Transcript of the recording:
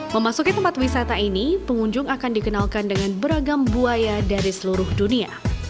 memasuki tempat wisata ini pengunjung akan dikenalkan dengan beragam buaya dari seluruh dunia